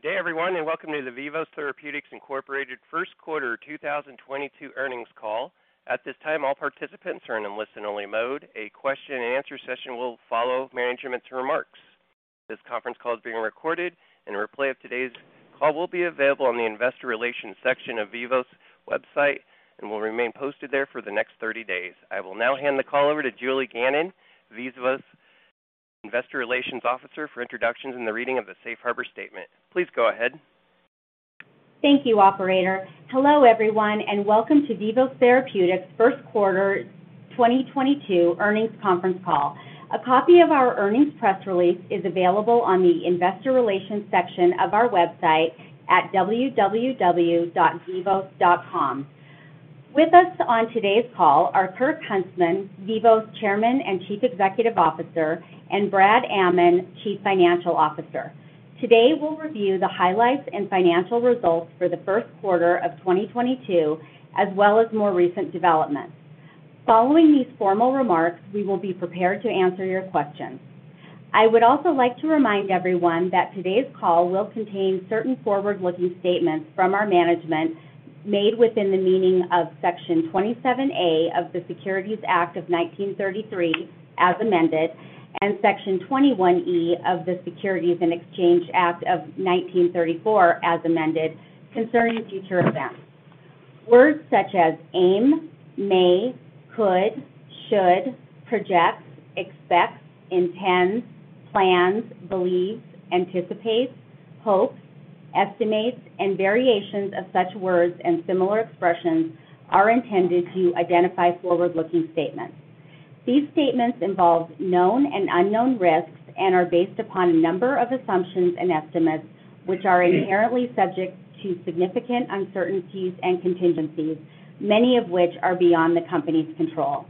Good day, everyone, and welcome to the Vivos Therapeutics, Incorporated. Q1 2022 Earnings Call. At this time, all participants are in listen-only mode. A question and answer session will follow management's remarks. This conference call is being recorded and a replay of today's call will be available on the investor relations section of Vivos website and will remain posted there for the next 30 days. I will now hand the call over to Julie Gannon, Vivos' Investor Relations Officer, for introductions and the reading of the safe harbor statement. Please go ahead. Thank you, operator. Hello, everyone, and welcome to Vivos Therapeutics Q1 2022 Earnings Conference Call. A copy of our earnings press release is available on the investor relations section of our website at www.vivos.com. With us on today's call are Kirk Huntsman, Vivos Chairman and Chief Executive Officer, and Brad Amman, Chief Financial Officer. Today, we'll review the highlights and financial results for the Q1 of 2022, as well as more recent developments. Following these formal remarks, we will be prepared to answer your questions. I would also like to remind everyone that today's call will contain certain forward-looking statements from our management made within the meaning of Section 27A of the Securities Act of 1933, as amended, and Section 21E of the Securities and Exchange Act of 1934, as amended, concerning future events. Words such as aim, may, could, should, projects, expects, intends, plans, believes, anticipates, hopes, estimates, and variations of such words and similar expressions are intended to identify forward-looking statements. These statements involve known and unknown risks and are based upon a number of assumptions and estimates, which are inherently subject to significant uncertainties and contingencies, many of which are beyond the company's control.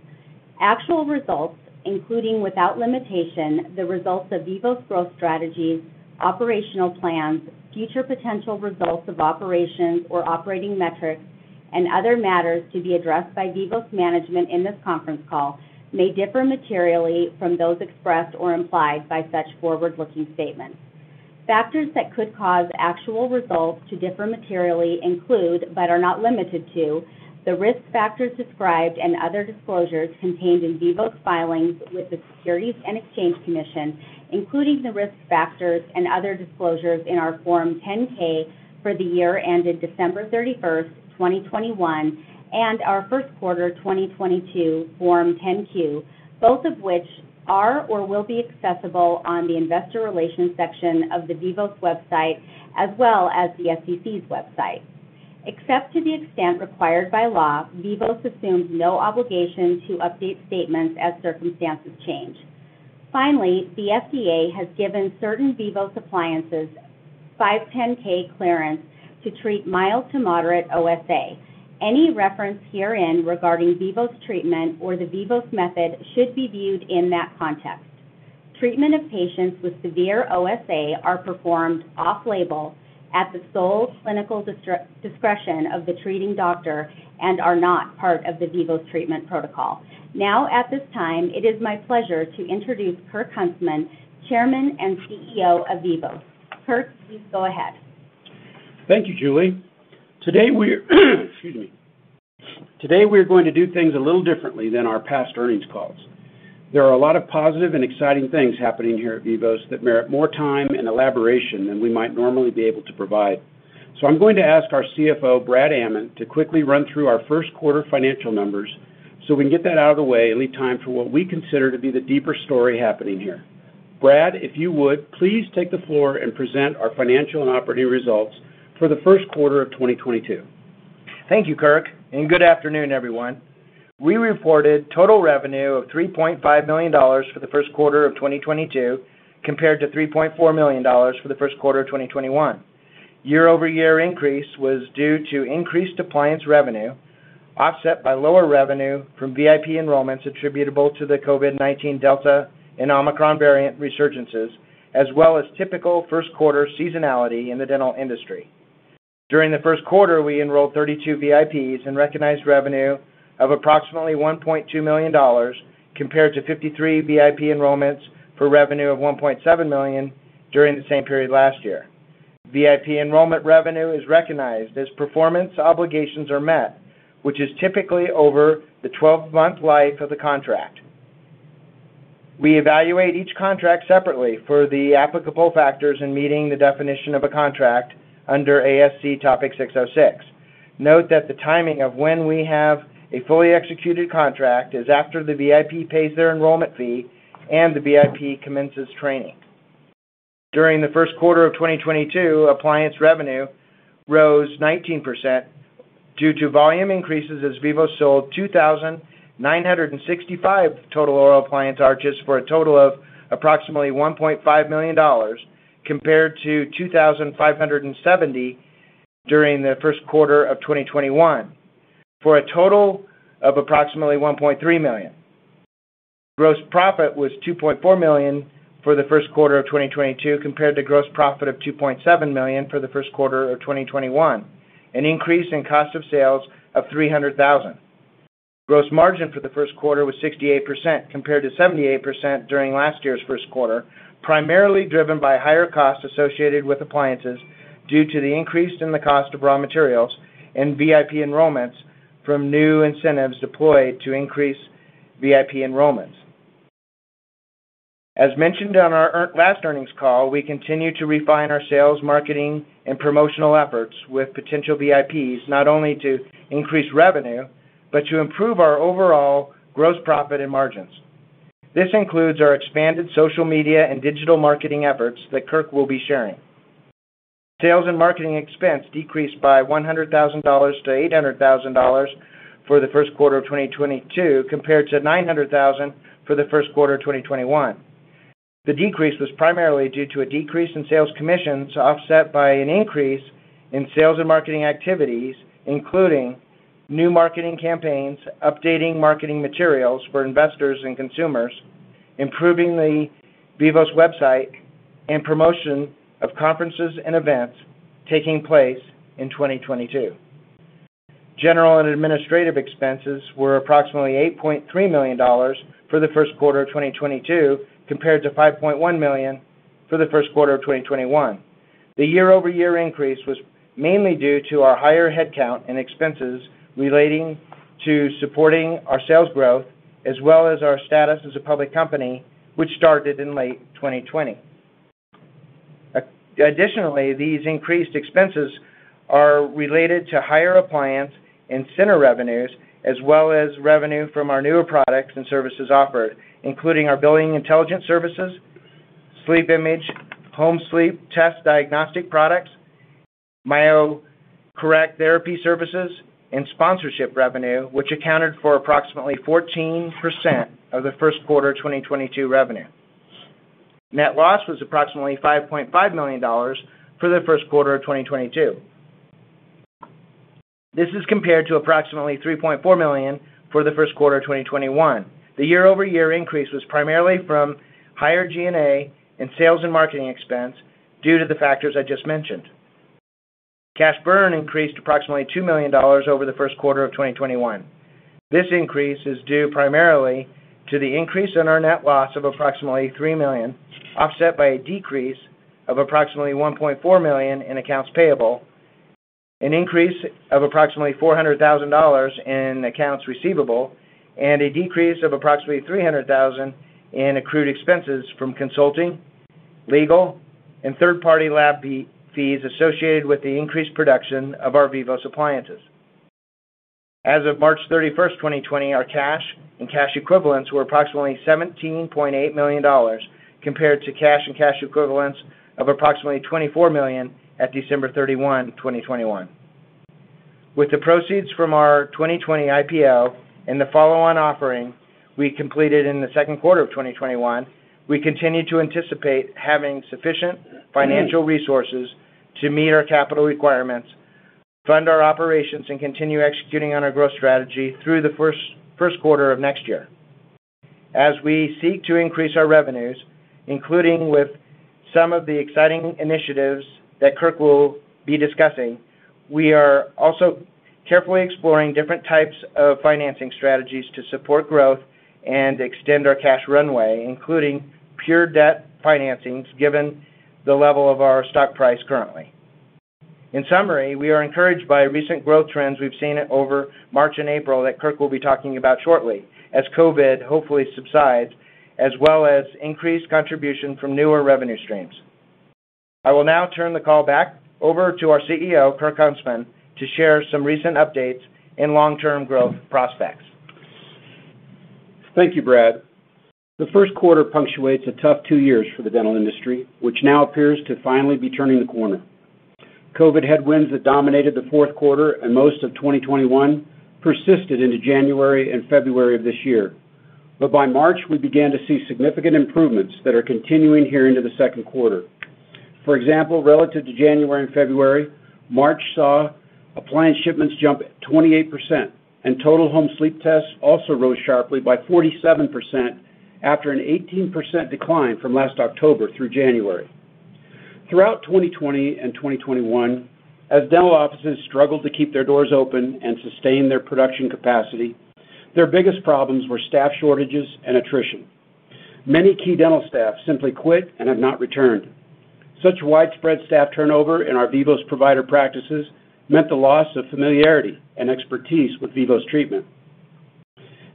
Actual results, including without limitation the results of Vivos growth strategies, operational plans, future potential results of operations or operating metrics, and other matters to be addressed by Vivos management in this conference call, may differ materially from those expressed or implied by such forward-looking statements. Factors that could cause actual results to differ materially include, but are not limited to, the risk factors described and other disclosures contained in Vivos filings with the Securities and Exchange Commission, including the risk factors and other disclosures in our Form 10-K for the year ended December 31st 2021, and our Q1 2022 Form 10-Q, both of which are or will be accessible on the investor relations section of the Vivos website, as well as the SEC's website. Except to the extent required by law, Vivos assumes no obligation to update statements as circumstances change. Finally, the FDA has given certain Vivos appliances 510(k) clearance to treat mild to moderate OSA. Any reference herein regarding Vivos treatment or the Vivos Method should be viewed in that context. Treatment of patients with severe OSA are performed off-label at the sole clinical discretion of the treating doctor and are not part of the Vivos treatment protocol. Now, at this time, it is my pleasure to introduce Kirk Huntsman, Chairman and CEO of Vivos. Kirk, please go ahead. Thank you, Julie. Today, we're going to do things a little differently than our past earnings calls. There are a lot of positive and exciting things happening here at Vivos that merit more time and elaboration than we might normally be able to provide. I'm going to ask our CFO, Brad Amman, to quickly run through our Q1 financial numbers, so we can get that out of the way and leave time for what we consider to be the deeper story happening here. Brad, if you would, please take the floor and present our financial and operating results for the Q1 of 2022. Thank you, Kirk, and good afternoon, everyone. We reported total revenue of $3.5 million for the Q1 of 2022, compared to $3.4 million for the Q1 of 2021. Year-over-year increase was due to increased appliance revenue, offset by lower revenue from VIP enrollments attributable to the COVID-19 Delta and Omicron variant resurgences, as well as typical Q1 seasonality in the dental industry. During the Q1, we enrolled 32 VIPs and recognized revenue of approximately $1.2 million compared to 53 VIP enrollments for revenue of $1.7 million during the same period last year. VIP enrollment revenue is recognized as performance obligations are met, which is typically over the 12-month life of the contract. We evaluate each contract separately for the applicable factors in meeting the definition of a contract under ASC Topic 606. Note that the timing of when we have a fully executed contract is after the VIP pays their enrollment fee and the VIP commences training. During the Q1 of 2022, appliance revenue rose 19% due to volume increases as Vivos sold 2,965 total oral appliance arches for a total of approximately $1.5 million compared to 2,570 during the Q1 of 2021 for a total of approximately $1.3 million. Gross profit was $2.4 million for the Q1 of 2022 compared to gross profit of $2.7 million for the Q1 of 2021, an increase in cost of sales of $300,000. Gross margin for the Q1 was 68% compared to 78% during last year's Q1, primarily driven by higher costs associated with appliances due to the increase in the cost of raw materials and VIP enrollments from new incentives deployed to increase VIP enrollments. As mentioned on our last earnings call, we continue to refine our sales, marketing, and promotional efforts with potential VIPs, not only to increase revenue, but to improve our overall gross profit and margins. This includes our expanded social media and digital marketing efforts that Kirk will be sharing. Sales and marketing expense decreased by $100,000 to $800,000 for the Q1 of 2022 compared to $900,000 for the Q1 of 2021. The decrease was primarily due to a decrease in sales commissions offset by an increase in sales and marketing activities, including new marketing campaigns, updating marketing materials for investors and consumers, improving the Vivos website, and promotion of conferences and events taking place in 2022. General and administrative expenses were approximately $8.3 million for the Q1 of 2022 compared to $5.1 million for the Q1 of 2021. The year-over-year increase was mainly due to our higher headcount and expenses relating to supporting our sales growth as well as our status as a public company, which started in late 2020. Additionally, these increased expenses are related to higher appliance and center revenues as well as revenue from our newer products and services offered, including our Billing Intelligence Services, SleepImage, home sleep test diagnostic products, MyoCorrect therapy services, and sponsorship revenue, which accounted for approximately 14% of the Q1 2022 revenue. Net loss was approximately $5.5 million for the Q1 of 2022. This is compared to approximately $3.4 million for the Q1 of 2021. The year-over-year increase was primarily from higher G&A and sales and marketing expense due to the factors I just mentioned. Cash burn increased approximately $2 million over the Q1 of 2021. This increase is due primarily to the increase in our net loss of approximately $3 million, offset by a decrease of approximately $1.4 million in accounts payable, an increase of approximately $400,000 in accounts receivable, and a decrease of approximately $300,000 in accrued expenses from consulting, legal, and third-party lab fee, fees associated with the increased production of our Vivos appliances. As of March 31st 2020, our cash and cash equivalents were approximately $17.8 million compared to cash and cash equivalents of approximately $24 million at December 31 2021. With the proceeds from our 2020 IPO and the follow-on offering we completed in the Q2 of 2021, we continue to anticipate having sufficient financial resources to meet our capital requirements, fund our operations, and continue executing on our growth strategy through the Q1 of next year. As we seek to increase our revenues, including with some of the exciting initiatives that Kirk will be discussing, we are also carefully exploring different types of financing strategies to support growth and extend our cash runway, including pure debt financings, given the level of our stock price currently. In summary, we are encouraged by recent growth trends we've seen over March and April that Kirk will be talking about shortly as COVID hopefully subsides, as well as increased contribution from newer revenue streams. I will now turn the call back over to our CEO, Kirk Huntsman, to share some recent updates and long-term growth prospects. Thank you, Brad. The Q1 punctuates a tough two years for the dental industry, which now appears to finally be turning the corner. COVID headwinds that dominated the Q4 and most of 2021 persisted into January and February of this year. By March, we began to see significant improvements that are continuing here into the Q2. For example, relative to January and February, March saw appliance shipments jump 28%, and total home sleep tests also rose sharply by 47% after an 18% decline from last October through January. Throughout 2020 and 2021, as dental offices struggled to keep their doors open and sustain their production capacity, their biggest problems were staff shortages and attrition. Many key dental staff simply quit and have not returned. Such widespread staff turnover in our Vivos provider practices meant the loss of familiarity and expertise with Vivos treatment.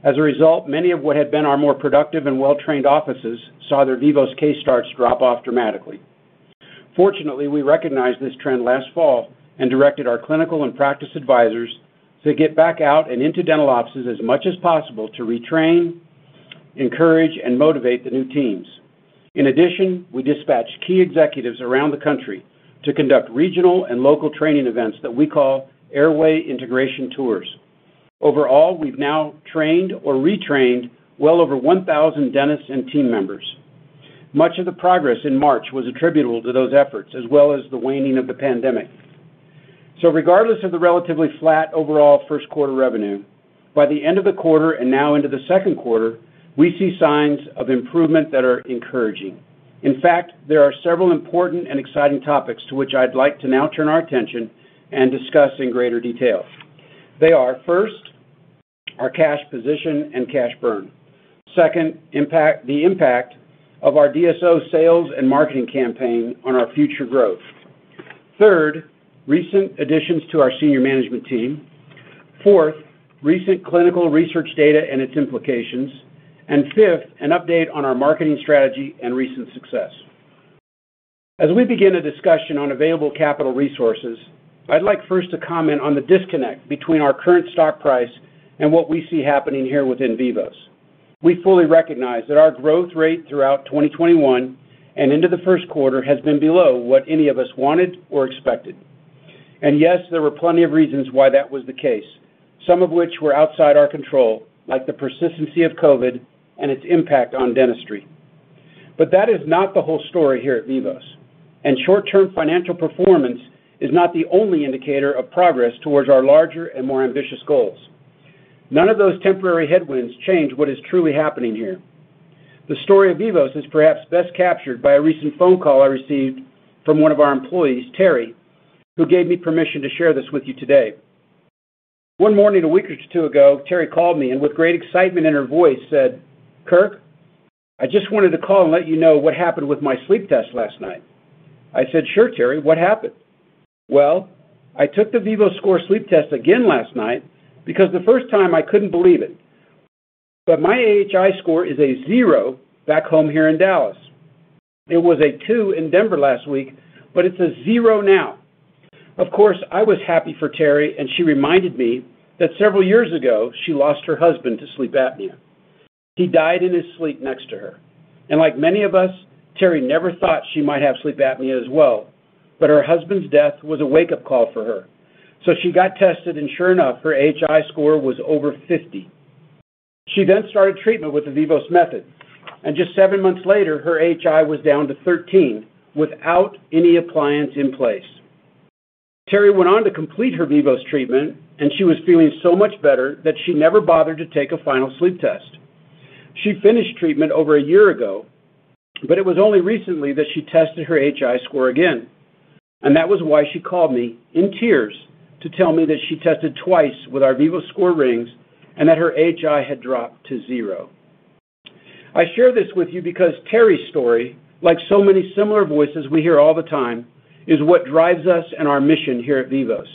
As a result, many of what had been our more productive and well-trained offices saw their Vivos case starts drop off dramatically. Fortunately, we recognized this trend last fall and directed our clinical and practice advisors to get back out and into dental offices as much as possible to retrain, encourage, and motivate the new teams. In addition, we dispatched key executives around the country to conduct regional and local training events that we call Airway Integration Tours. Overall, we've now trained or retrained well over 1,000 dentists and team members. Much of the progress in March was attributable to those efforts as well as the waning of the pandemic. Regardless of the relatively flat overall Q1 revenue, by the end of the quarter and now into the Q2, we see signs of improvement that are encouraging. In fact, there are several important and exciting topics to which I'd like to now turn our attention and discuss in greater detail. They are, first, our cash position and cash burn. Second, the impact of our DSO sales and marketing campaign on our future growth. Third, recent additions to our senior management team. Fourth, recent clinical research data and its implications. Fifth, an update on our marketing strategy and recent success. As we begin a discussion on available capital resources, I'd like first to comment on the disconnect between our current stock price and what we see happening here within Vivos. We fully recognize that our growth rate throughout 2021 and into the Q1 has been below what any of us wanted or expected. Yes, there were plenty of reasons why that was the case, some of which were outside our control, like the persistence of COVID-19 and its impact on dentistry. That is not the whole story here at Vivos, and short-term financial performance is not the only indicator of progress towards our larger and more ambitious goals. None of those temporary headwinds change what is truly happening here. The story of Vivos is perhaps best captured by a recent phone call I received from one of our employees, Terry, who gave me permission to share this with you today. One morning, a week or two ago, Terry called me and with great excitement in her voice, said, "Kirk, I just wanted to call and let you know what happened with my sleep test last night." I said, "Sure, Terry. What happened?" "Well, I took the VivoScore sleep test again last night because the first time I couldn't believe it. My AHI score is a zero back home here in Dallas. It was a two in Denver last week, but it's a zero now." Of course, I was happy for Terry, and she reminded me that several years ago, she lost her husband to sleep apnea. He died in his sleep next to her. Like many of us, Terry never thought she might have sleep apnea as well, but her husband's death was a wake-up call for her. She got tested, and sure enough, her AHI score was over 50. She started treatment with the Vivos Method, and just seven months later, her AHI was down to 13 without any appliance in place. Terry went on to complete her Vivos treatment, she was feeling so much better that she never bothered to take a final sleep test. She finished treatment over a year ago, it was only recently that she tested her AHI score again. That was why she called me in tears to tell me that she tested twice with our VivoScore rings and that her AHI had dropped to zero. I share this with you because Terry's story, like so many similar voices we hear all the time, is what drives us and our mission here at Vivos,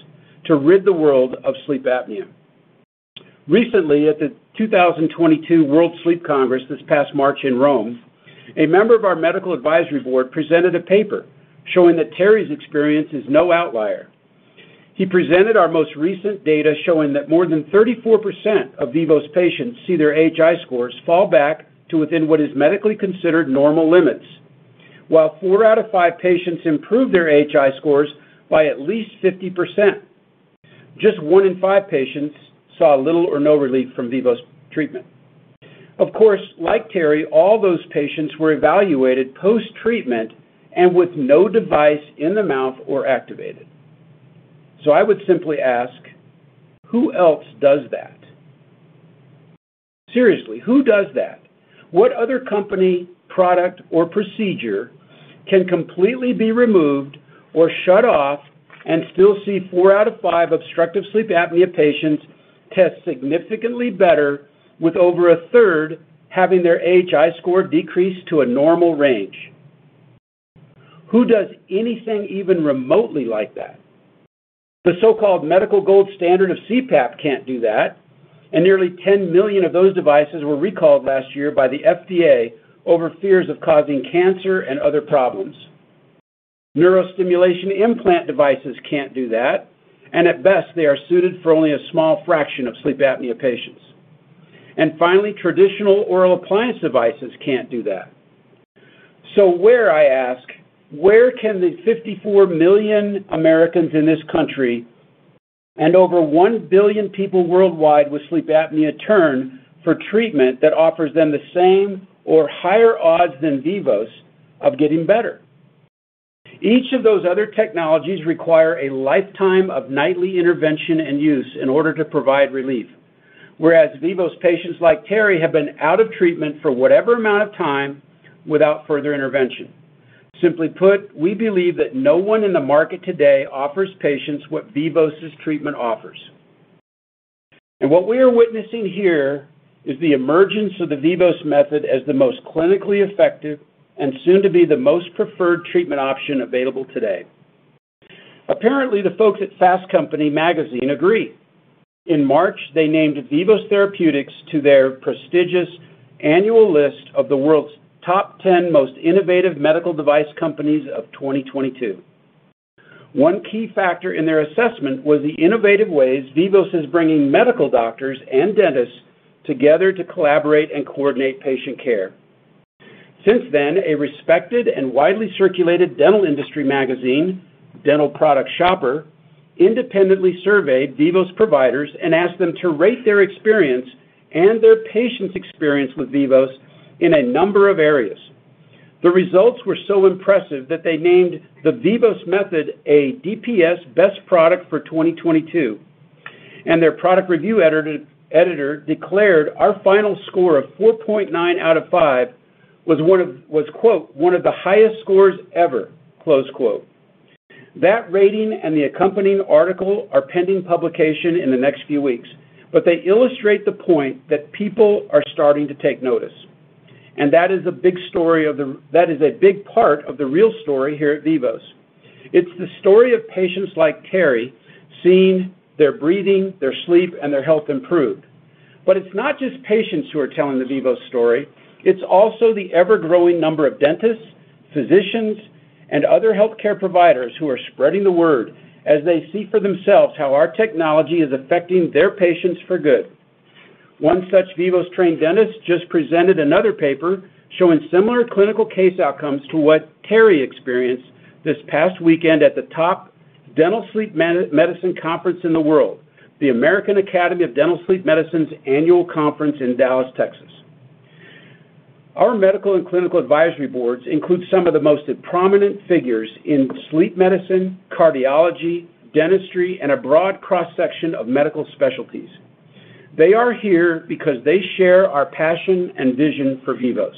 to rid the world of sleep apnea. Recently, at the 2022 World Sleep Congress this past March in Rome, a member of our medical advisory board presented a paper showing that Terry's experience is no outlier. He presented our most recent data showing that more than 34% of Vivos patients see their AHI scores fall back to within what is medically considered normal limits, while four out of five patients improve their AHI scores by at least 50%. Just one in five patients saw little or no relief from Vivos treatment. Of course, like Terry, all those patients were evaluated post-treatment and with no device in the mouth or activated. I would simply ask, who else does that? Seriously, who does that? What other company, product, or procedure can completely be removed or shut off and still see four out of five obstructive sleep apnea patients test significantly better, with over a third having their AHI score decreased to a normal range? Who does anything even remotely like that? The so-called medical gold standard of CPAP can't do that, and nearly 10,000,000 of those devices were recalled last year by the FDA over fears of causing cancer and other problems. Neurostimulation implant devices can't do that, and at best, they are suited for only a small fraction of sleep apnea patients. Finally, traditional oral appliance devices can't do that. Where, I ask, where can the 54,000,000 Americans in this country and over 1,000,000,000 people worldwide with sleep apnea turn for treatment that offers them the same or higher odds than Vivos of getting better? Each of those other technologies require a lifetime of nightly intervention and use in order to provide relief. Whereas Vivos patients like Terry have been out of treatment for whatever amount of time without further intervention. Simply put, we believe that no one in the market today offers patients what Vivos' treatment offers. What we are witnessing here is the emergence of the Vivos Method as the most clinically effective and soon to be the most preferred treatment option available today. Apparently, the folks at Fast Company magazine agree. In March, they named Vivos Therapeutics to their prestigious annual list of the world's top 10 most innovative medical device companies of 2022. One key factor in their assessment was the innovative ways Vivos is bringing medical doctors and dentists together to collaborate and coordinate patient care. Since then, a respected and widely circulated dental industry magazine, Dental Product Shopper, independently surveyed Vivos providers and asked them to rate their experience and their patients' experience with Vivos in a number of areas. The results were so impressive that they named the Vivos Method a DPS Best Product for 2022. Their product review editor declared our final score of 4.9 out of five was one of the highest scores ever. That rating and the accompanying article are pending publication in the next few weeks, but they illustrate the point that people are starting to take notice. That is a big part of the real story here at Vivos. It's the story of patients like Terry seeing their breathing, their sleep, and their health improve. It's not just patients who are telling the Vivos story. It's also the ever-growing number of dentists, physicians, and other healthcare providers who are spreading the word as they see for themselves how our technology is affecting their patients for good. One such Vivos-trained dentist just presented another paper showing similar clinical case outcomes to what Terry experienced this past weekend at the top dental sleep medicine conference in the world, the American Academy of Dental Sleep Medicine's annual conference in Dallas, Texas. Our medical and clinical advisory boards include some of the most prominent figures in sleep medicine, cardiology, dentistry, and a broad cross-section of medical specialties. They are here because they share our passion and vision for Vivos,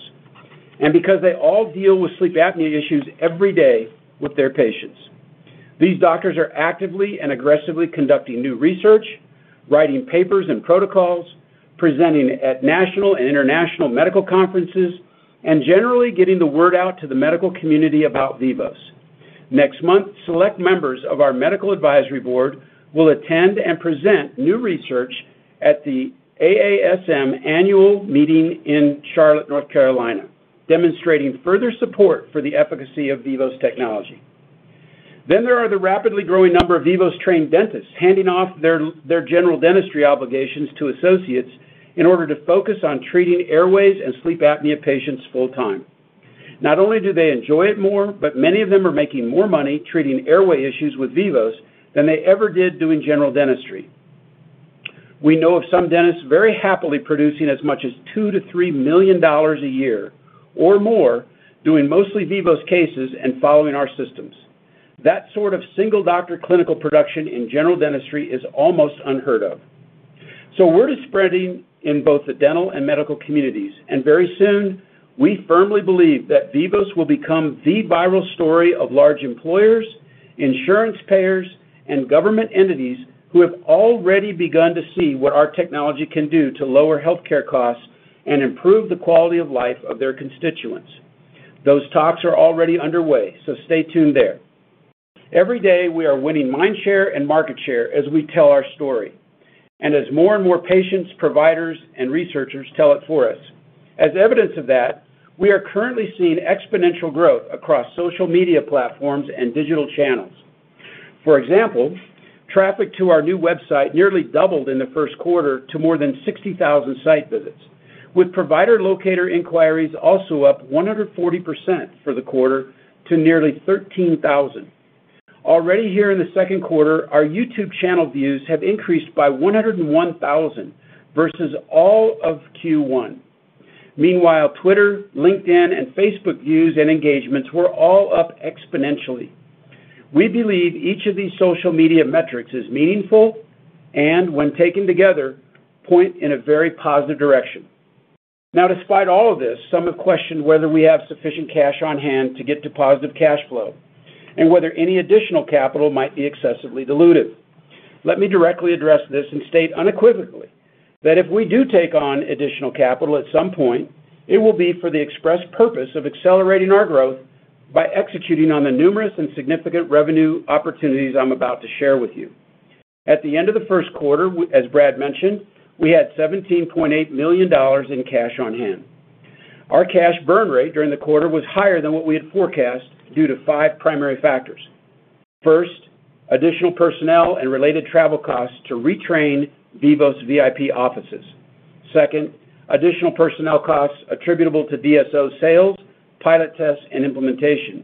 and because they all deal with sleep apnea issues every day with their patients. These doctors are actively and aggressively conducting new research, writing papers and protocols, presenting at national and international medical conferences, and generally getting the word out to the medical community about Vivos. Next month, select members of our medical advisory board will attend and present new research at the AASM annual meeting in Charlotte, North Carolina, demonstrating further support for the efficacy of Vivos technology. There are the rapidly growing number of Vivos-trained dentists handing off their general dentistry obligations to associates in order to focus on treating airways and sleep apnea patients full-time. Not only do they enjoy it more, but many of them are making more money treating airway issues with Vivos than they ever did doing general dentistry. We know of some dentists very happily producing as much as $2 million-$3 million a year or more doing mostly Vivos cases and following our systems. That sort of single doctor clinical production in general dentistry is almost unheard of. Word is spreading in both the dental and medical communities, and very soon, we firmly believe that Vivos will become the viral story of large employers, insurance payers, and government entities who have already begun to see what our technology can do to lower healthcare costs and improve the quality of life of their constituents. Those talks are already underway, so stay tuned there. Every day, we are winning mind share and market share as we tell our story, and as more and more patients, providers, and researchers tell it for us. As evidence of that, we are currently seeing exponential growth across social media platforms and digital channels. For example, traffic to our new website nearly doubled in the Q1 to more than 60,000 site visits, with provider locator inquiries also up 140% for the quarter to nearly 13,000. Already here in the Q2, our YouTube channel views have increased by 101,000 versus all of Q1. Meanwhile, Twitter, LinkedIn, and Facebook views and engagements were all up exponentially. We believe each of these social media metrics is meaningful and, when taken together, point in a very positive direction. Now despite all of this, some have questioned whether we have sufficient cash on hand to get to positive cash flow and whether any additional capital might be excessively dilutive. Let me directly address this and state unequivocally that if we do take on additional capital at some point, it will be for the express purpose of accelerating our growth by executing on the numerous and significant revenue opportunities I'm about to share with you. At the end of the Q1, we, as Brad mentioned, had $17.8 million in cash on hand. Our cash burn rate during the quarter was higher than what we had forecast due to five primary factors. First, additional personnel and related travel costs to retrain Vivos VIP offices. Second, additional personnel costs attributable to DSO sales, pilot tests, and implementation.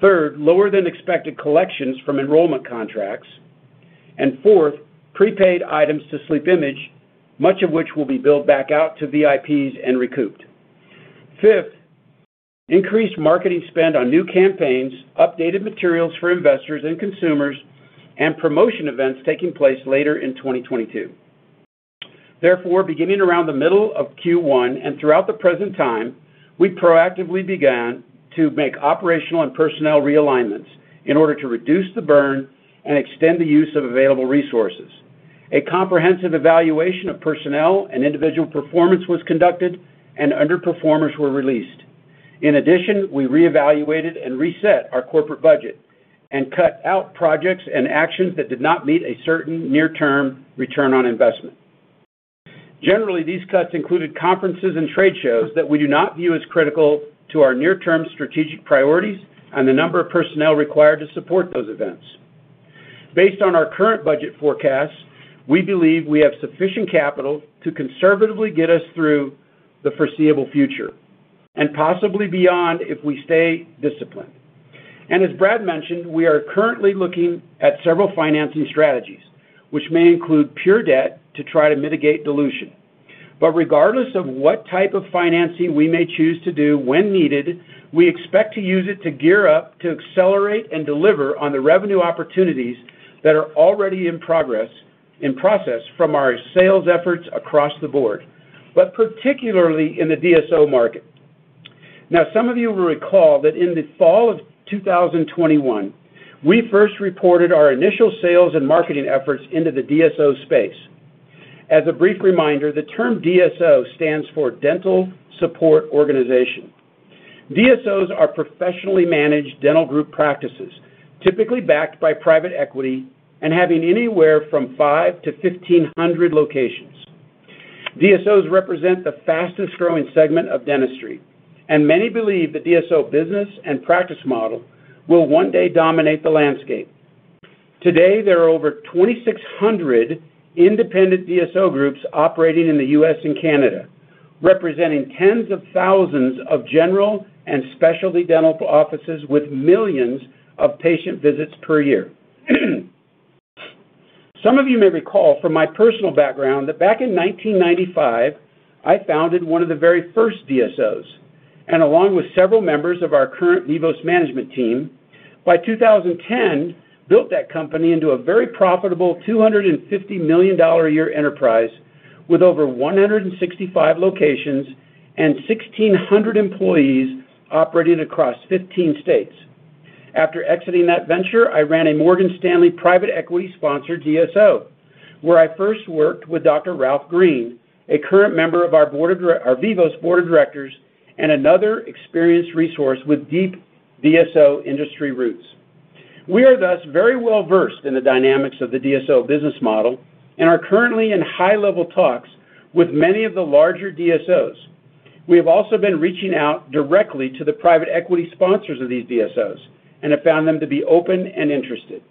Third, lower than expected collections from enrollment contracts. Fourth, prepaid items to SleepImage, much of which will be billed back out to VIPs and recouped. Fifth, increased marketing spend on new campaigns, updated materials for investors and consumers, and promotion events taking place later in 2022. Therefore, beginning around the middle of Q1 and throughout the present time, we proactively began to make operational and personnel realignments in order to reduce the burn and extend the use of available resources. A comprehensive evaluation of personnel and individual performance was conducted and underperformers were released. In addition, we reevaluated and reset our corporate budget and cut out projects and actions that did not meet a certain near-term return on investment. Generally, these cuts included conferences and trade shows that we do not view as critical to our near-term strategic priorities and the number of personnel required to support those events. Based on our current budget forecasts, we believe we have sufficient capital to conservatively get us through the foreseeable future and possibly beyond if we stay disciplined. As Brad mentioned, we are currently looking at several financing strategies, which may include pure debt to try to mitigate dilution. Regardless of what type of financing we may choose to do when needed, we expect to use it to gear up to accelerate and deliver on the revenue opportunities that are already in process from our sales efforts across the board, but particularly in the DSO market. Now, some of you will recall that in the fall of 2021, we first reported our initial sales and marketing efforts into the DSO space. As a brief reminder, the term DSO stands for Dental Support Organization. DSOs are professionally managed dental group practices, typically backed by private equity and having anywhere from five to 1,500 locations. DSOs represent the fastest-growing segment of dentistry, and many believe the DSO business and practice model will one day dominate the landscape. Today, there are over 2,600 independent DSO groups operating in the U.S. and Canada, representing tens of thousands of general and specialty dental offices with millions of patient visits per year. Some of you may recall from my personal background that back in 1995, I founded one of the very first DSOs, and along with several members of our current Vivos management team, by 2010, built that company into a very profitable $250 million a year enterprise with over 165 locations and 1,600 employees operating across 15 states. After exiting that venture, I ran a Morgan Stanley private equity-sponsored DSO, where I first worked with Dr. Ralph Green, a current member of our Vivos board of directors and another experienced resource with deep DSO industry roots. We are thus very well-versed in the dynamics of the DSO business model and are currently in high-level talks with many of the larger DSOs. We have also been reaching out directly to the private equity sponsors of these DSOs and have found them to be open and interested.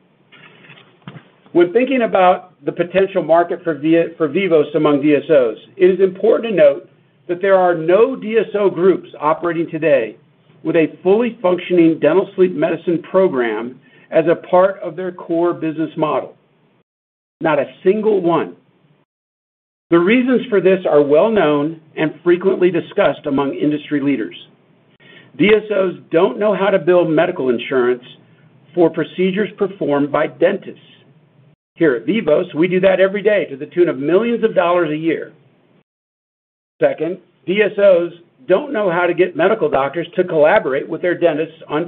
When thinking about the potential market for Vivos among DSOs, it is important to note that there are no DSO groups operating today with a fully functioning dental sleep medicine program as a part of their core business model. Not a single one. The reasons for this are well known and frequently discussed among industry leaders. DSOs don't know how to bill medical insurance for procedures performed by dentists. Here at Vivos, we do that every day to the tune of millions a year. Second, DSOs don't know how to get medical doctors to collaborate with their dentists on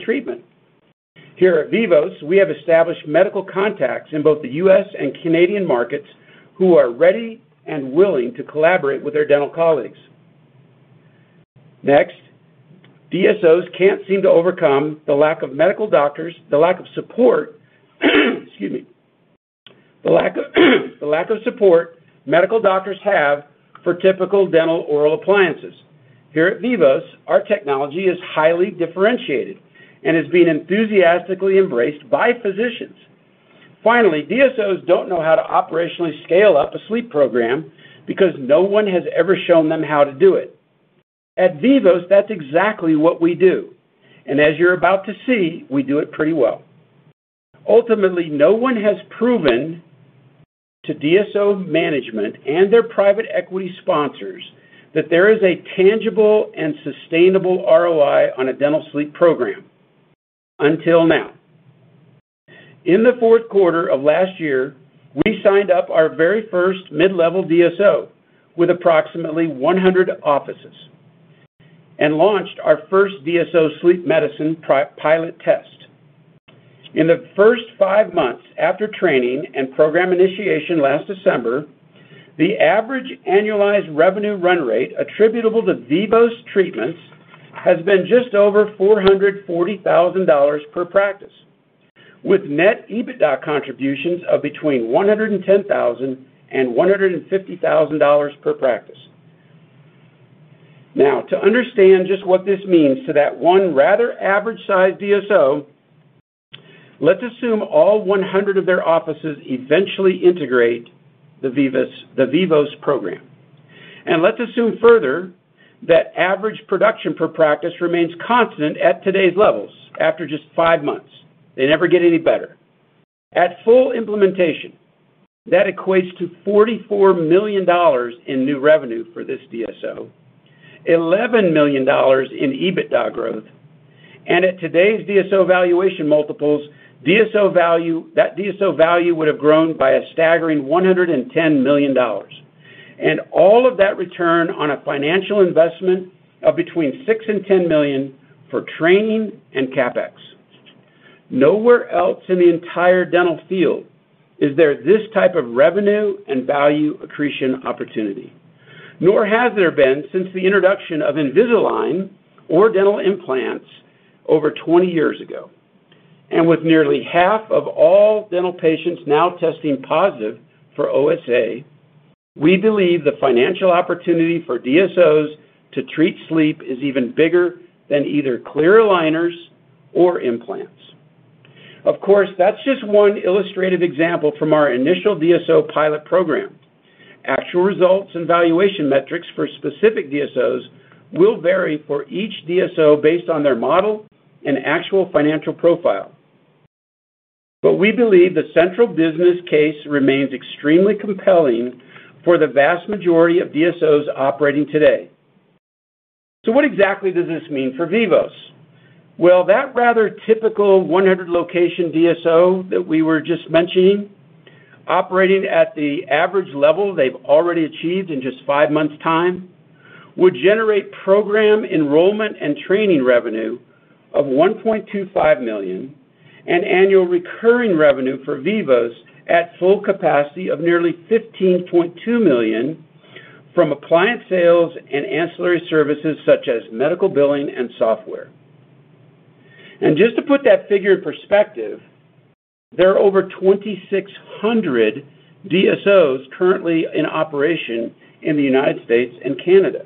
treatment. Here at Vivos, we have established medical contacts in both the U.S. and Canadian markets who are ready and willing to collaborate with their dental colleagues. Next, DSOs can't seem to overcome the lack of support medical doctors have for typical dental oral appliances. Here at Vivos, our technology is highly differentiated and is being enthusiastically embraced by physicians. Finally, DSOs don't know how to operationally scale up a sleep program because no one has ever shown them how to do it. At Vivos, that's exactly what we do. As you're about to see, we do it pretty well. Ultimately, no one has proven to DSO management and their private equity sponsors that there is a tangible and sustainable ROI on a dental sleep program, until now. In the Q4 of last year, we signed up our very first mid-level DSO with approximately 100 offices and launched our first DSO sleep medicine pilot test. In the first five months after training and program initiation last December, the average annualized revenue run rate attributable to Vivos treatments has been just over $440,000 per practice, with net EBITDA contributions of between $110,000 and $150,000 per practice. Now, to understand just what this means to that one rather average-sized DSO, let's assume all 100 of their offices eventually integrate the Vivos, the Vivos program. Let's assume further that average production per practice remains constant at today's levels after just five months. They never get any better. At full implementation, that equates to $44 million in new revenue for this DSO, $11 million in EBITDA growth. At today's DSO valuation multiples, DSO value, that DSO value would have grown by a staggering $110 million. All of that return on a financial investment of between $6 million and $10 million for training and CapEx. Nowhere else in the entire dental field is there this type of revenue and value accretion opportunity, nor has there been since the introduction of Invisalign or dental implants over 20 years ago. With nearly half of all dental patients now testing positive for OSA, we believe the financial opportunity for DSOs to treat sleep is even bigger than either clear aligners or implants. Of course, that's just one illustrated example from our initial DSO pilot program. Actual results and valuation metrics for specific DSOs will vary for each DSO based on their model and actual financial profile. But we believe the central business case remains extremely compelling for the vast majority of DSOs operating today. What exactly does this mean for Vivos? Well, that rather typical 100 location DSO that we were just mentioning, operating at the average level they've already achieved in just five months' time, would generate program enrollment and training revenue of $1.25 million, and annual recurring revenue for Vivos at full capacity of nearly $15.2 million from appliance sales and ancillary services, such as medical billing and software. Just to put that figure in perspective, there are over 2,600 DSOs currently in operation in the United States and Canada.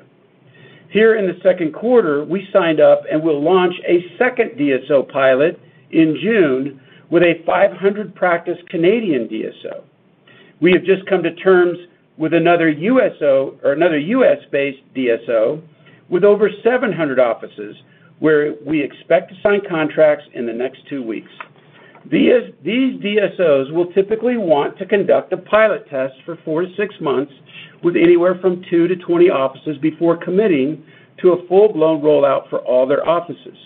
Here in the Q2, we signed up and will launch a second DSO pilot in June with a 500 practice Canadian DSO. We have just come to terms with another DSO or another U.S.-based DSO with over 700 offices, where we expect to sign contracts in the next two weeks. These DSOs will typically want to conduct a pilot test for four, six months with anywhere from two-20 offices before committing to a full-blown rollout for all their offices.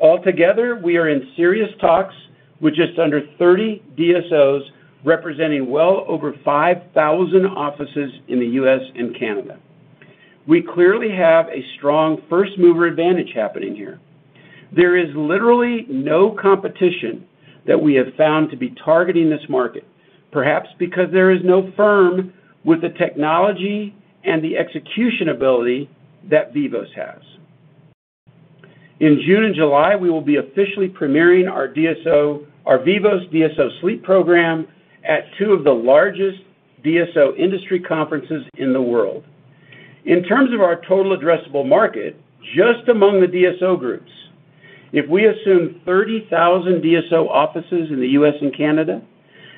Altogether, we are in serious talks with just under 30 DSOs, representing well over 5,000 offices in the U.S. and Canada. We clearly have a strong first-mover advantage happening here. There is literally no competition that we have found to be targeting this market, perhaps because there is no firm with the technology and the execution ability that Vivos has. In June and July, we will be officially premiering our Vivos DSO Sleep Program at two of the largest DSO industry conferences in the world. In terms of our total addressable market, just among the DSO groups, if we assume 30,000 DSO offices in the U.S. and Canada,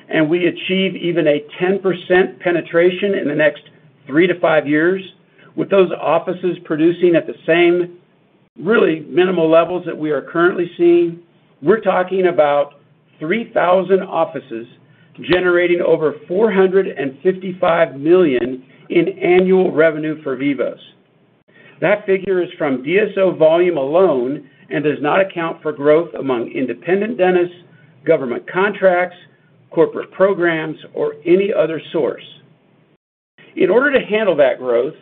and we achieve even a 10% penetration in the next three to five years, with those offices producing at the same really minimal levels that we are currently seeing, we're talking about 3,000 offices generating over $455 million in annual revenue for Vivos. That figure is from DSO volume alone and does not account for growth among independent dentists, government contracts, corporate programs, or any other source. In order to handle that growth,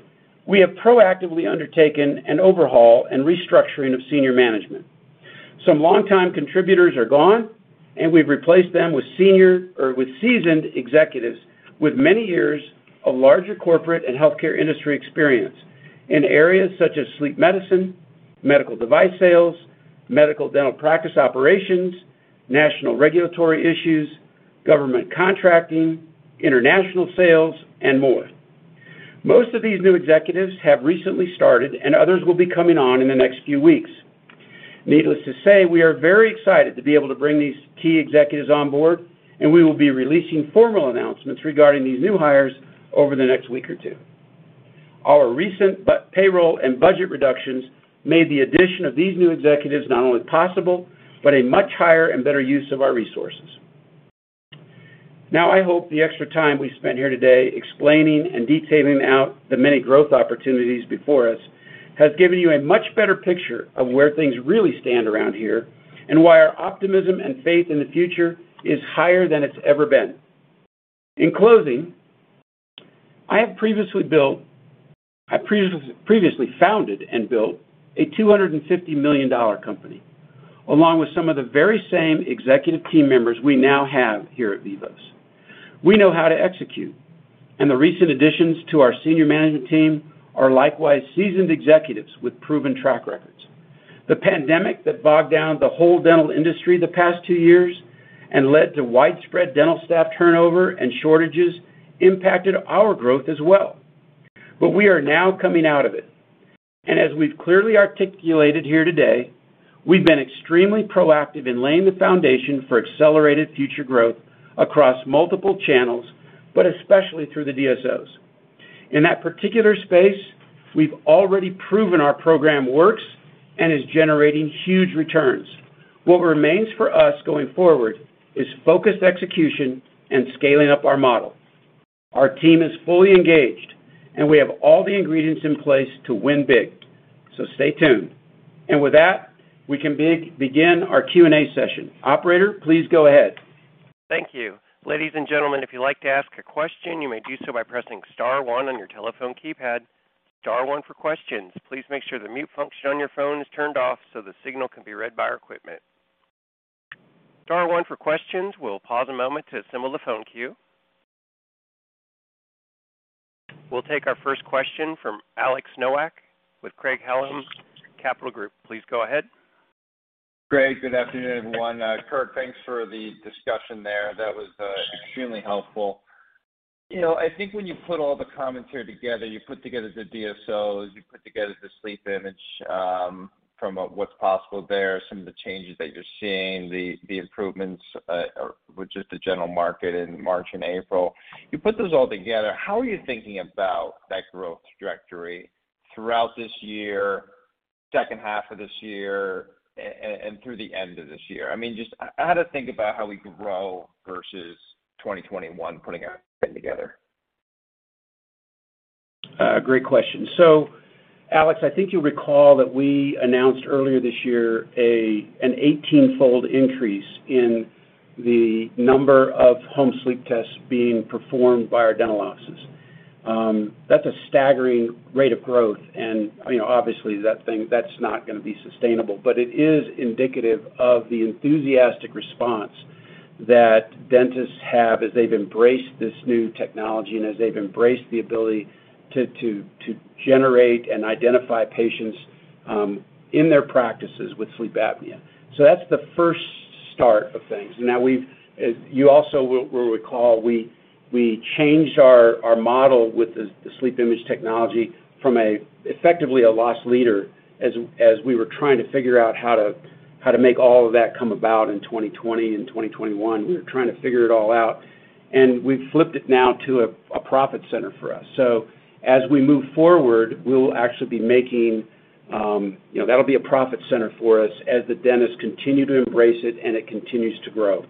we have proactively undertaken an overhaul and restructuring of senior management. Some longtime contributors are gone, and we've replaced them with senior or seasoned executives with many years of larger corporate and healthcare industry experience in areas such as sleep medicine, medical device sales, medical and dental practice operations, national regulatory issues, government contracting, international sales, and more. Most of these new executives have recently started, and others will be coming on in the next few weeks. Needless to say, we are very excited to be able to bring these key executives on board, and we will be releasing formal announcements regarding these new hires over the next week or two. Our recent payroll and budget reductions made the addition of these new executives not only possible, but a much higher and better use of our resources. Now, I hope the extra time we spent here today explaining and detailing out the many growth opportunities before us has given you a much better picture of where things really stand around here and why our optimism and faith in the future is higher than it's ever been. In closing, I previously founded and built a $250 million company, along with some of the very same executive team members we now have here at Vivos. We know how to execute, and the recent additions to our senior management team are likewise seasoned executives with proven track records. The pandemic that bogged down the whole dental industry the past two years and led to widespread dental staff turnover and shortages impacted our growth as well. We are now coming out of it. As we've clearly articulated here today, we've been extremely proactive in laying the foundation for accelerated future growth across multiple channels, but especially through the DSOs. In that particular space, we've already proven our program works and is generating huge returns. What remains for us going forward is focused execution and scaling up our model. Our team is fully engaged, and we have all the ingredients in place to win big. Stay tuned. With that, we can begin our Q&A session. Operator, please go ahead. Thank you. Ladies and gentlemen, if you'd like to ask a question, you may do so by pressing star one on your telephone keypad. Star one for questions. Please make sure the mute function on your phone is turned off so the signal can be read by our equipment. Star one for questions. We'll pause a moment to assemble the phone queue. We'll take our first question from Alex Nowak with Craig-Hallum Capital Group. Please go ahead. Great. Good afternoon, everyone. Kirk, thanks for the discussion there. That was extremely helpful. You know, I think when you put all the commentary together, you put together the DSOs, you put together the SleepImage, from a what's possible there, some of the changes that you're seeing, the improvements, with just the general market in March and April. You put those all together, how are you thinking about that growth trajectory throughout this year? Second half of this year and through the end of this year. I mean, just how to think about how we grow versus 2021 putting up, putting together. Great question. Alex, I think you'll recall that we announced earlier this year an 18-fold increase in the number of home sleep tests being performed by our dental offices. That's a staggering rate of growth, and, you know, obviously, that's not gonna be sustainable. It is indicative of the enthusiastic response that dentists have as they've embraced this new technology and as they've embraced the ability to generate and identify patients in their practices with sleep apnea. That's the first start of things. Now, you also will recall, we changed our model with the SleepImage technology from effectively a loss leader as we were trying to figure out how to make all of that come about in 2020 and 2021. We were trying to figure it all out, and we've flipped it now to a profit center for us. As we move forward, we'll actually be making, that'll be a profit center for us as the dentists continue to embrace it, and it continues to grow.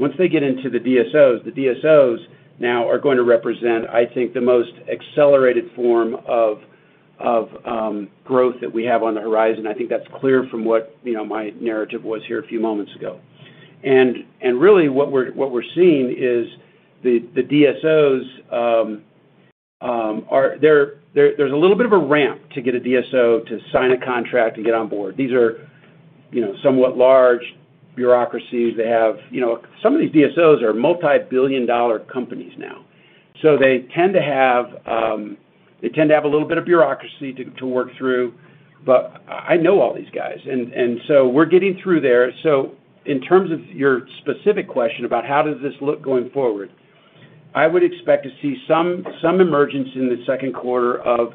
Once they get into the DSOs, the DSOs now are going to represent, I think, the most accelerated form of growth that we have on the horizon. I think that's clear from what my narrative was here a few moments ago. Really what we're seeing is the DSOs are there's a little bit of a ramp to get a DSO to sign a contract and get on board. These are somewhat large bureaucracies. They have, you know, some of these DSOs are multi-billion-dollar companies now. They tend to have a little bit of bureaucracy to work through. I know all these guys and so we're getting through there. In terms of your specific question about how does this look going forward, I would expect to see some emergence in the Q2 of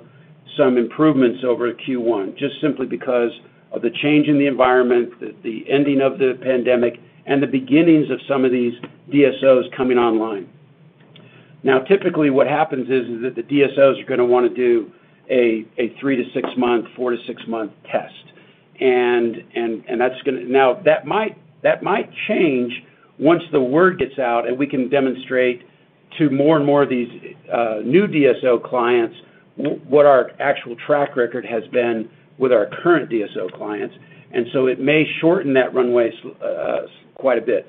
some improvements over Q1, just simply because of the change in the environment, the ending of the pandemic, and the beginnings of some of these DSOs coming online. Now, typically, what happens is that the DSOs are gonna wanna do a three to six month, four to six month test. That's gonna. Now that might change once the word gets out, and we can demonstrate to more and more of these new DSO clients what our actual track record has been with our current DSO clients. It may shorten that runway quite a bit.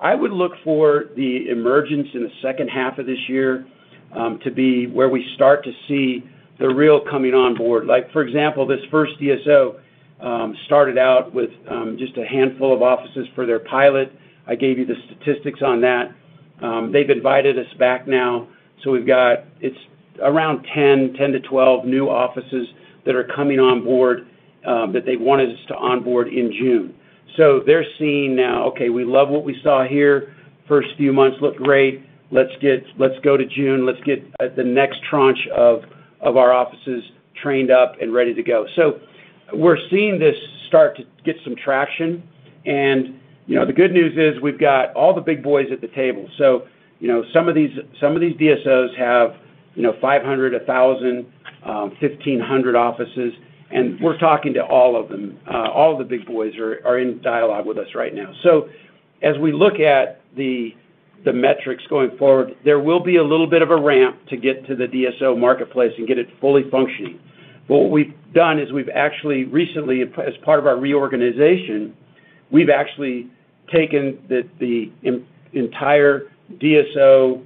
I would look for the emergence in the second half of this year to be where we start to see the real coming on board. Like, for example, this first DSO started out with just a handful of offices for their pilot. I gave you the statistics on that. They've invited us back now, so we've got. It's around 10-12 new offices that are coming on board that they wanted us to onboard in June. They're seeing now, "Okay, we love what we saw here. First few months looked great. Let's go to June. Let's get the next tranche of our offices trained up and ready to go. We're seeing this start to get some traction. You know, the good news is we've got all the big boys at the table. You know, some of these DSOs have, you know, 500, 1,000, 1,500 offices, and we're talking to all of them. All the big boys are in dialogue with us right now. As we look at the metrics going forward, there will be a little bit of a ramp to get to the DSO marketplace and get it fully functioning. What we've done is we've actually recently, as part of our reorganization, we've actually taken the entire DSO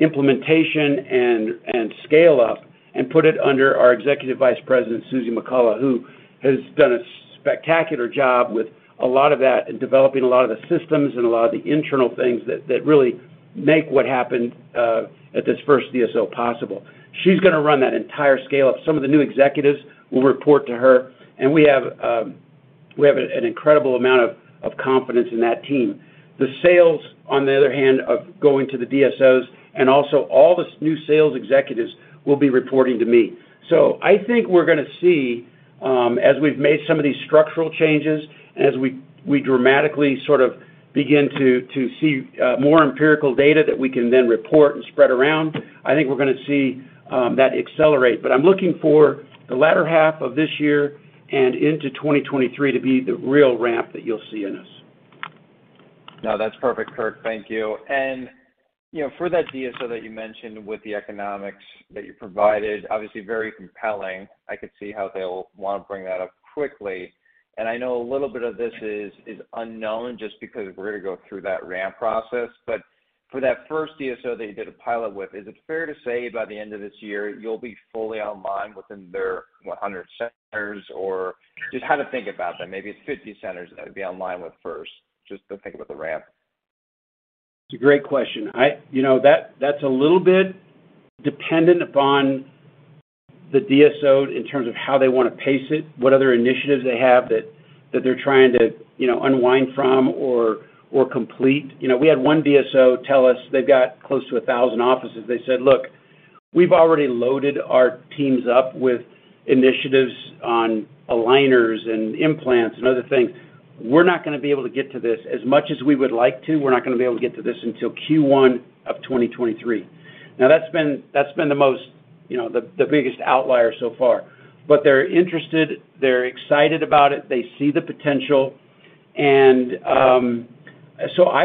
implementation and scale-up and put it under our Executive Vice President, Susie McCullough, who has done a spectacular job with a lot of that and developing a lot of the systems and a lot of the internal things that really make what happened at this first DSO possible. She's gonna run that entire scale up. Some of the new executives will report to her, and we have an incredible amount of confidence in that team. The sales, on the other hand, are going to the DSOs, and also all the new sales executives will be reporting to me. I think we're gonna see, as we've made some of these structural changes, as we dramatically sort of begin to see more empirical data that we can then report and spread around, I think we're gonna see that accelerate. I'm looking for the latter half of this year and into 2023 to be the real ramp that you'll see in us. No, that's perfect, Kirk. Thank you. You know, for that DSO that you mentioned with the economics that you provided, obviously very compelling. I could see how they'll wanna bring that up quickly. I know a little bit of this is unknown just because we're gonna go through that ramp process. For that first DSO that you did a pilot with, is it fair to say by the end of this year you'll be fully online within their 100 centers, or just how to think about that? Maybe it's 50 centers that would be online with first, just to think about the ramp. It's a great question. You know, that's a little bit dependent upon the DSO in terms of how they wanna pace it, what other initiatives they have that they're trying to, you know, unwind from or complete. You know, we had one DSO tell us they've got close to 1,000 offices. They said, "Look, we've already loaded our teams up with initiatives on aligners and implants and other things. We're not gonna be able to get to this as much as we would like to. We're not gonna be able to get to this until Q1 of 2023. Now that's been the most, you know, the biggest outlier so far. But they're interested, they're excited about it. They see the potential. I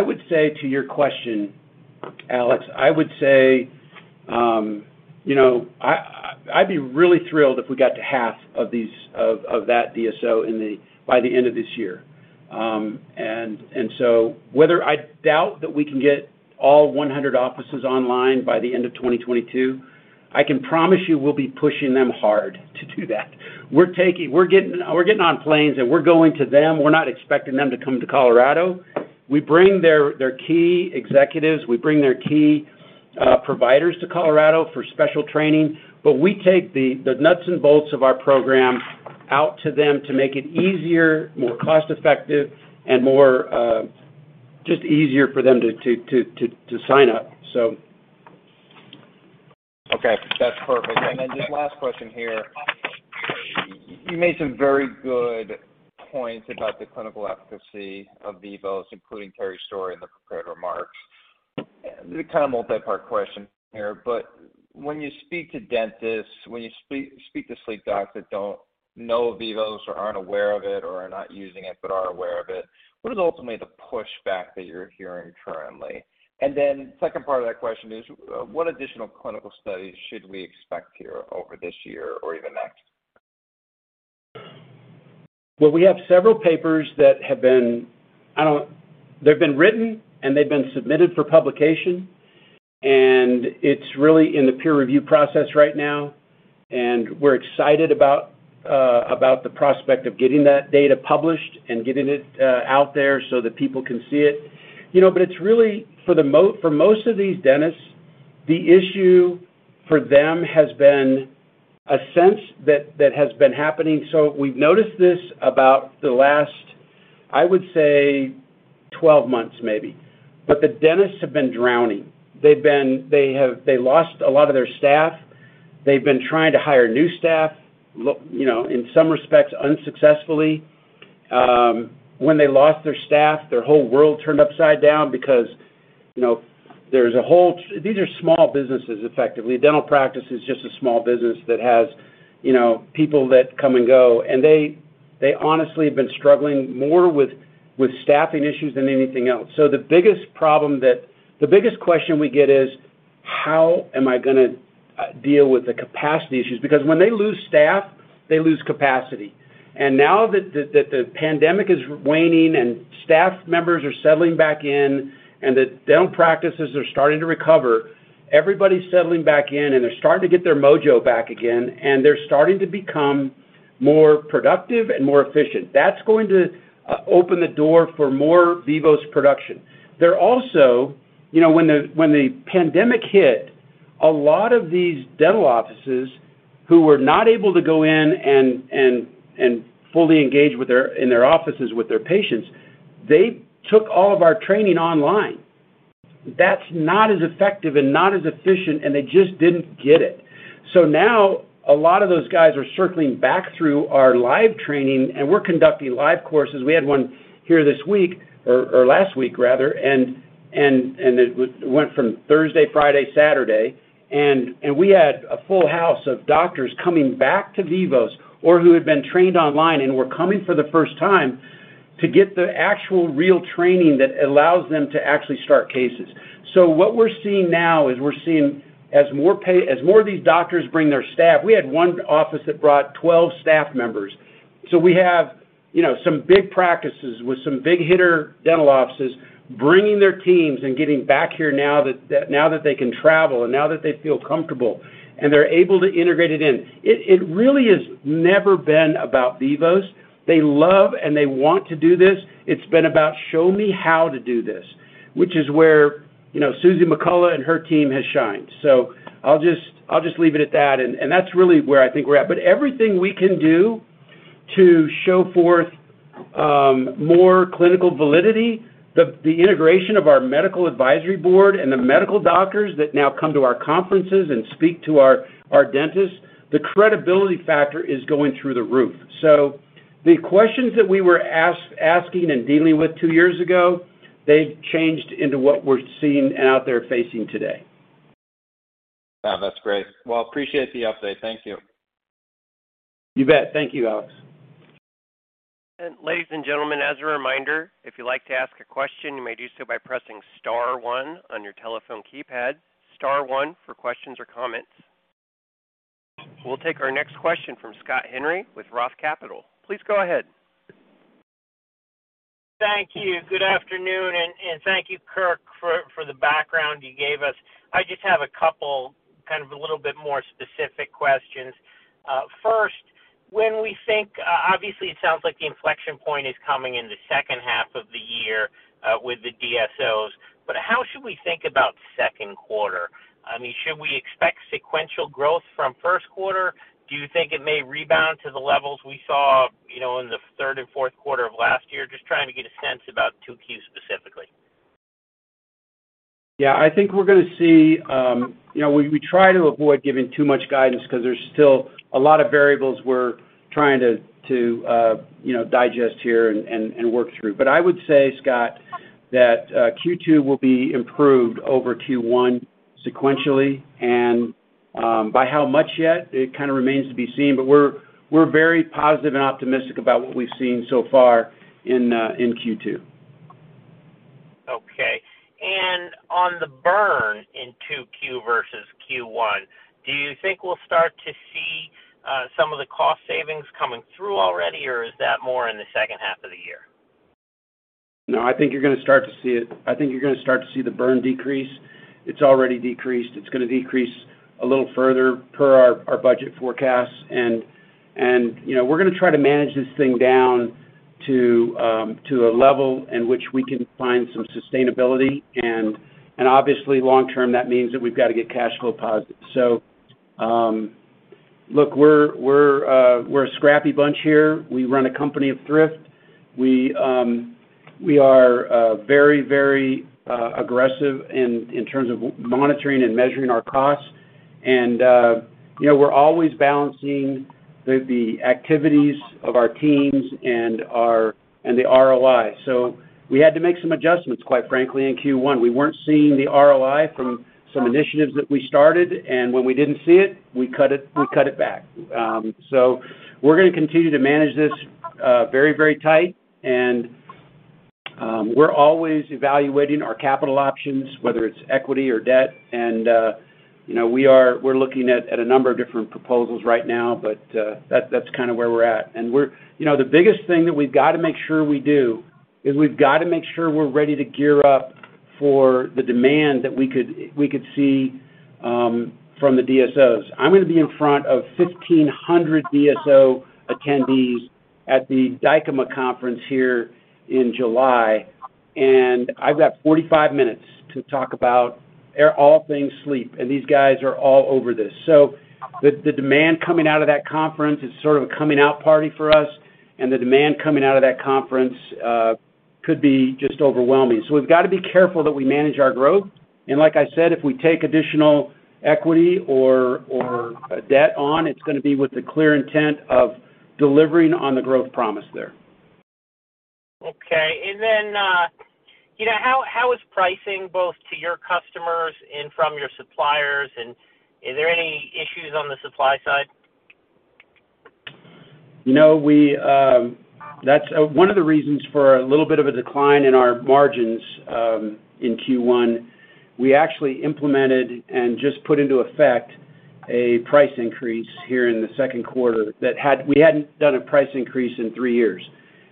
would say to your question, Alex, you know, I'd be really thrilled if we got to half of that DSO by the end of this year. I doubt whether we can get all 100 offices online by the end of 2022. I can promise you we'll be pushing them hard to do that. We're getting on planes, and we're going to them. We're not expecting them to come to Colorado. We bring their key executives. We bring their key providers to Colorado for special training. But we take the nuts and bolts of our program out to them to make it easier, more cost-effective, and just easier for them to sign up. Okay, that's perfect. Just last question here. You made some very good points about the clinical efficacy of Vivos, including Terry story in the prepared remarks. Kind of multi-part question here, when you speak to dentists, when you speak to sleep docs that don't know Vivos or aren't aware of it or are not using it but are aware of it, what is ultimately the pushback that you're hearing currently? Second part of that question is, what additional clinical studies should we expect here over this year or even next? Well, we have several papers that have been. They've been written, and they've been submitted for publication, and it's really in the peer review process right now, and we're excited about the prospect of getting that data published and getting it out there so that people can see it. You know, it's really for most of these dentists, the issue for them has been a sense that has been happening. We've noticed this about the last, I would say, 12 months maybe. The dentists have been drowning. They've lost a lot of their staff. They've been trying to hire new staff, you know, in some respects unsuccessfully. When they lost their staff, their whole world turned upside down because, you know, these are small businesses, effectively. Dental practice is just a small business that has, you know, people that come and go. They honestly have been struggling more with staffing issues than anything else. The biggest question we get is, "How am I gonna deal with the capacity issues?" Because when they lose staff, they lose capacity. Now that the pandemic is waning and staff members are settling back in and the dental practices are starting to recover, everybody's settling back in, and they're starting to get their mojo back again, and they're starting to become more productive and more efficient. That's going to open the door for more Vivos production. They're also, you know, when the pandemic hit, a lot of these dental offices who were not able to go in and fully engage with their patients in their offices. They took all of our training online. That's not as effective and not as efficient, and they just didn't get it. Now a lot of those guys are circling back through our live training, and we're conducting live courses. We had one here this week or last week rather. It went from Thursday, Friday, Saturday. We had a full house of doctors coming back to Vivos or who had been trained online and were coming for the first time to get the actual real training that allows them to actually start cases. What we're seeing now is as more of these doctors bring their staff, we had one office that brought 12 staff members. We have, you know, some big practices with some big hitter dental offices bringing their teams and getting back here now that they can travel and now that they feel comfortable, and they're able to integrate it in. It really has never been about Vivos. They love, and they want to do this. It's been about, show me how to do this, which is where, you know, Susie McCullough and her team has shined. I'll just leave it at that, and that's really where I think we're at. Everything we can do to show forth more clinical validity, the integration of our medical advisory board and the medical doctors that now come to our conferences and speak to our dentists, the credibility factor is going through the roof. The questions that we were asking and dealing with two years ago, they've changed into what we're seeing and out there facing today. Yeah, that's great. Well, appreciate the update. Thank you. You bet. Thank you, Alex. Ladies and gentlemen, as a reminder, if you'd like to ask a question, you may do so by pressing star one on your telephone keypad. Star one for questions or comments. We'll take our next question from Scott Henry with Roth Capital. Please go ahead. Thank you. Good afternoon, and thank you, Kirk, for the background you gave us. I just have a couple, kind of a little bit more specific questions. First, when we think, obviously, it sounds like the inflection point is coming in the second half of the year, with the DSOs, but how should we think about Q2? I mean, should we expect sequential growth from Q1? Do you think it may rebound to the levels we saw, you know, in the third and Q4 of last year? Just trying to get a sense about 2Q specifically. Yeah, I think we're gonna see. You know, we try to avoid giving too much guidance because there's still a lot of variables we're trying to, you know, digest here and work through. I would say, Scott, that Q2 will be improved over Q1 sequentially. By how much yet, it kind of remains to be seen. We're very positive and optimistic about what we've seen so far in Q2. Okay. On the burn in 2Q versus Q1, do you think we'll start to see some of the cost savings coming through already, or is that more in the second half of the year? No, I think you're gonna start to see it. I think you're gonna start to see the burn decrease. It's already decreased. It's gonna decrease a little further per our budget forecasts. You know, we're gonna try to manage this thing down to a level in which we can find some sustainability. Obviously, long term, that means that we've got to get cash flow positive. Look, we're a scrappy bunch here. We run a company of thrift. We are very aggressive in terms of monitoring and measuring our costs. You know, we're always balancing the activities of our teams and our and the ROI. We had to make some adjustments, quite frankly, in Q1. We weren't seeing the ROI from some initiatives that we started, and when we didn't see it, we cut it back. We're gonna continue to manage this very tight. We're always evaluating our capital options, whether it's equity or debt. You know, we're looking at a number of different proposals right now, but that's kind of where we're at. You know, the biggest thing that we've got to make sure we do is we've got to make sure we're ready to gear up for the demand that we could see from the DSOs. I'm gonna be in front of 1,500 DSO attendees at the Dykema conference here in July, and I've got 45 minutes to talk about all things sleep. These guys are all over this. The demand coming out of that conference is sort of a coming out party for us, and the demand coming out of that conference could be just overwhelming. We've got to be careful that we manage our growth. Like I said, if we take additional equity or debt on, it's gonna be with the clear intent of delivering on the growth promise there. Okay. You know, how is pricing both to your customers and from your suppliers? Is there any issues on the supply side? No, that's one of the reasons for a little bit of a decline in our margins in Q1. We actually implemented and just put into effect a price increase here in the second quarter that we hadn't done a price increase in three years.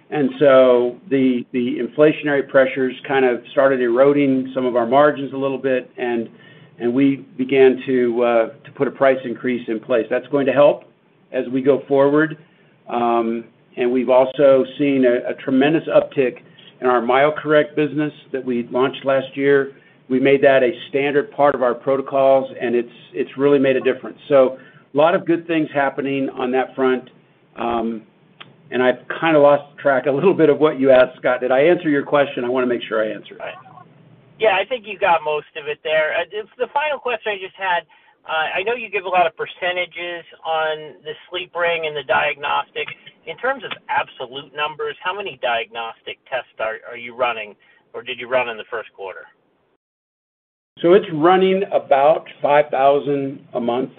The inflationary pressures kind of started eroding some of our margins a little bit, and we began to put a price increase in place. That's going to help as we go forward. We've also seen a tremendous uptick in our MyoCorrect business that we launched last year. We made that a standard part of our protocols, and it's really made a difference. A lot of good things happening on that front. I've kind of lost track a little bit of what you asked, Scott. Did I answer your question? I wanna make sure I answered it. Yeah, I think you got most of it there. The final question I just had, I know you give a lot of percentages on the sleep ring and the diagnostics. In terms of absolute numbers, how many diagnostic tests are you running or did you run in the Q1? It's running about 5,000 a month.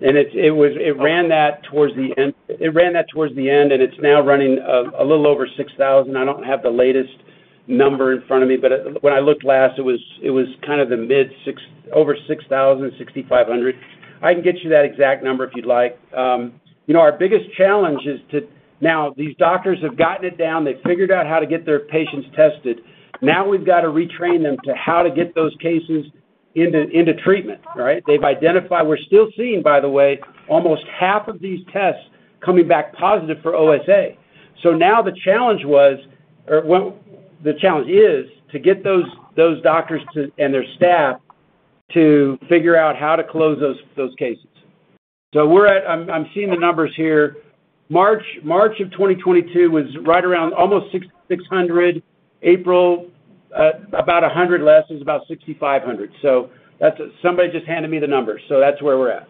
It ran that towards the end, and it's now running a little over 6,000. I don't have the latest number in front of me, but when I looked last, it was kind of the mid six, over 6,000, 6,500. I can get you that exact number if you'd like. You know, our biggest challenge is. Now, these doctors have gotten it down. They figured out how to get their patients tested. Now we've got to retrain them to how to get those cases into treatment, right? They've identified. We're still seeing, by the way, almost half of these tests coming back positive for OSA. Now the challenge was, or well, the challenge is to get those doctors and their staff to figure out how to close those cases. We're at—I'm seeing the numbers here. March 2022 was right around almost 600. April about 100 less. It was about 6,500. That's a—Somebody just handed me the numbers. That's where we're at.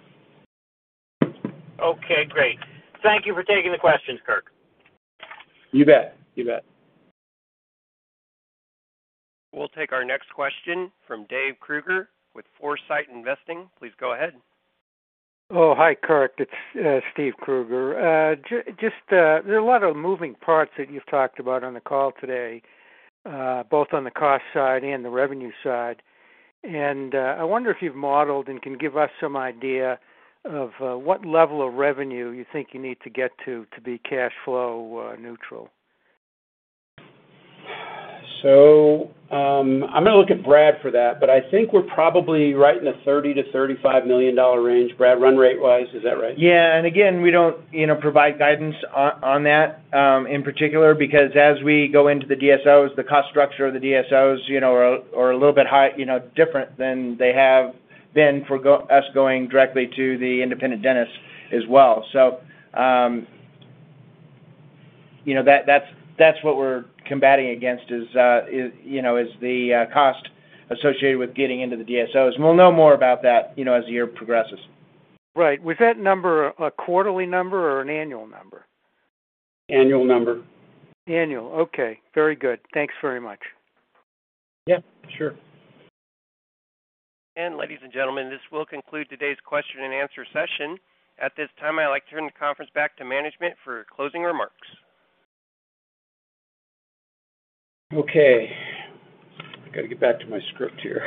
Okay, great. Thank you for taking the questions, Kirk. You bet. We'll take our next question from Dave Kruger with Foresight Investing. Please go ahead. Oh, hi, Kirk. It's Steve Kruger. Just, there are a lot of moving parts that you've talked about on the call today, both on the cost side and the revenue side. I wonder if you've modeled and can give us some idea of what level of revenue you need to get to be cash flow neutral. I'm gonna look at Brad for that, but I think we're probably right in the $30 million-$35 million range. Brad, run rate wise, is that right? Yeah. Again, we don't, you know, provide guidance on that in particular, because as we go into the DSOs, the cost structure of the DSOs, you know, are a little bit high, you know, different than they have been for us going directly to the independent dentist as well. You know, that's what we're combating against is, you know, is the cost associated with getting into the DSOs. We'll know more about that, you know, as the year progresses. Right. Was that number a quarterly number or an annual number? Annual number. Annual. Okay, very good. Thanks very much. Yeah, sure. Ladies and gentlemen, this will conclude today's question and answer session. At this time, I would like to turn the conference back to management for closing remarks. Okay. I gotta get back to my script here.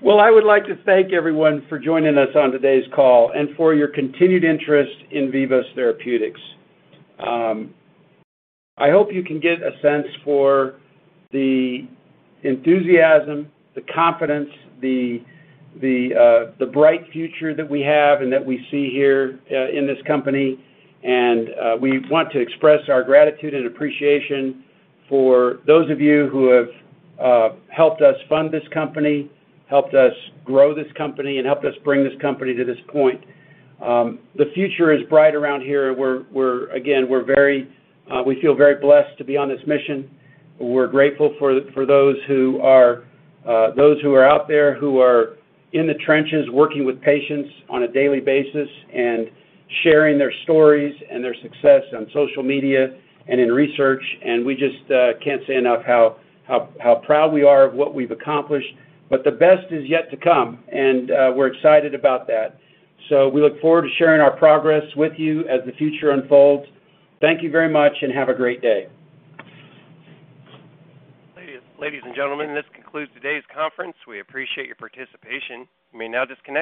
Well, I would like to thank everyone for joining us on today's call and for your continued interest in Vivos Therapeutics. I hope you can get a sense for the enthusiasm, the confidence, the bright future that we have and that we see here in this company. We want to express our gratitude and appreciation for those of you who have helped us fund this company, helped us grow this company, and helped us bring this company to this point. The future is bright around here. We feel very blessed to be on this mission. We're grateful for those who are out there, who are in the trenches, working with patients on a daily basis and sharing their stories and their success on social media and in research. We just can't say enough how proud we are of what we've accomplished. The best is yet to come, and we're excited about that. We look forward to sharing our progress with you as the future unfolds. Thank you very much, and have a great day. Ladies, ladies and gentlemen, this concludes today's conference. We appreciate your participation. You may now disconnect.